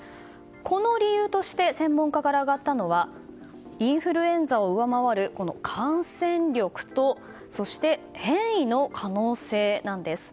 この理由として専門家から挙がったのはインフルエンザを上回る感染力とそして変異の可能性なんです。